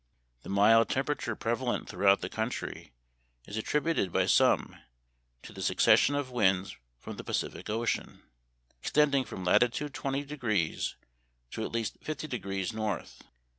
The mild temperature prevalent throughout the country is attributed by some to the succession of winds from the Pacific Ocean, extending from latitude twenty degrees to at least fifty degrees, north.